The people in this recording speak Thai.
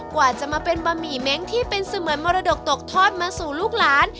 กว่าจะมาเป็นบะหมี่เม้งที่เป็นเสมือนมรดกตกทอดมาสู่ลูกหลาน